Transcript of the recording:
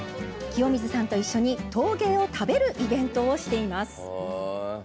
清水さんと一緒に陶芸を食べるイベントをしています。